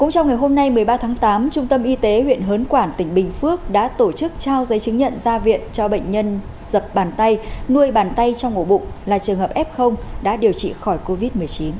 trong ngày hôm nay một mươi ba tháng tám trung tâm y tế huyện hớn quản tỉnh bình phước đã tổ chức trao giấy chứng nhận ra viện cho bệnh nhân dập bàn tay nuôi bàn tay trong ổ bụng là trường hợp f đã điều trị khỏi covid một mươi chín